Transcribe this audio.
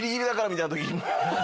みたいな時も。